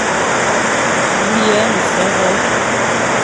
Kàm yəŋ pfə́ hə́ ?